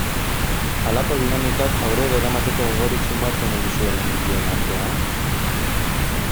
Halako dinamikak aurrera eramateko gogorik sumatzen al duzue langileen artean?